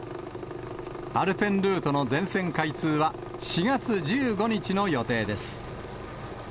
アルペンルートの全線開通は４月１５日の予定です。